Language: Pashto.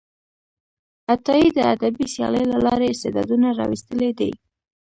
عطایي د ادبي سیالۍ له لارې استعدادونه راویستلي دي.